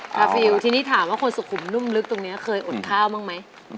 ฟิลทีนี้ถามว่าคนสุขุมนุ่มลึกตรงนี้เคยอดข้าวบ้างไหม